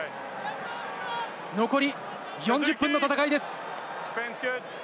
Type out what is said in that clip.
残り４０分の戦いです。